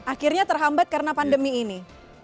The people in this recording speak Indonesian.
akhirnya terhambat karena pandemi ini